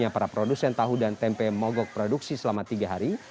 para produsen tahu dan tempe mogok produksi selama tiga hari